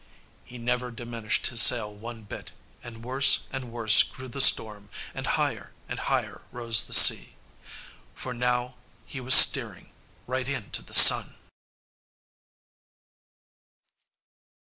He never diminished his sail one bit, and worse and worse grew the storm, and higher and higher rose the sea. For now he was steering right into the sun.